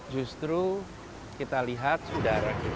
justru kita lihat udara kita